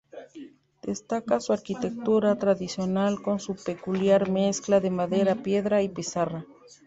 Destaca su arquitectura tradicional, con su peculiar mezcla de madera, piedra y pizarra.